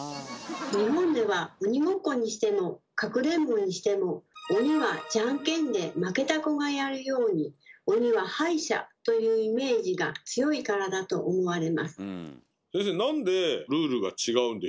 日本では「鬼ごっこ」にしても「かくれんぼ」にしても鬼はじゃんけんで負けた子がやるように「鬼は敗者」というイメージが強いからだと思われます。